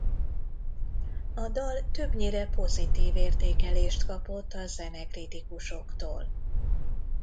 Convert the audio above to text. A dal többnyire pozitív értékelést kapott a zenekritikusoktól.